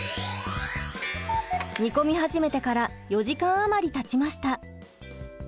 煮込み始めてから４時間余りたちました。